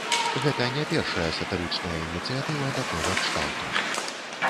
Гэта не першая сатырычная ініцыятыва такога кшталту.